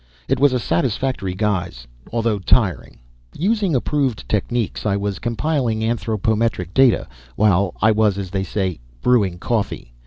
It was a satisfactory guise, although tiring. Using approved techniques, I was compiling anthropometric data while "I" was, as they say, "brewing coffee."